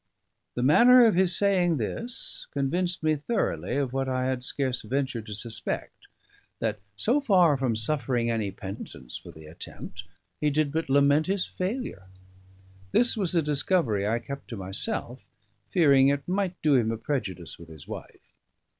The manner of his saying this convinced me thoroughly of what I had scarce ventured to suspect: that, so far from suffering any penitence for the attempt, he did but lament his failure. This was a discovery I kept to myself, fearing it might do him a prejudice with his wife.